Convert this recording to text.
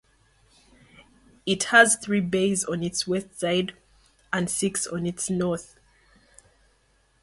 It has three bays on its west side and six on its north.